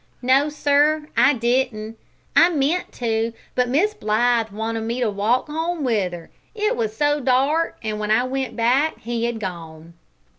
"No, sir, I didn't. I meant to, but Miss Blythe wanted me to walk 'ome with 'er, it was so dark, an' w'en I went back he had gone."